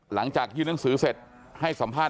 หลังจากยื่นหนังสือเสร็จให้สัมภาษณ